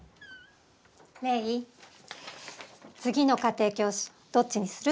レイつぎの家庭教師どっちにする？